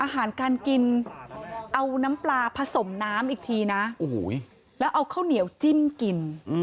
อาหารการกินเอาน้ำปลาผสมน้ำอีกทีนะแล้วเอาข้าวเหนียวจิ้มกิน